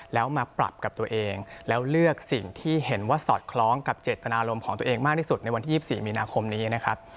แล้วมาปรับกับตัวเองแล้วเลือกสิ่งที่เห็นว่าสอดคล้องกับเจตนารมณ์ของตัวเองมากที่สุดในวันที่๒๔มีนาคมนี้นะครับ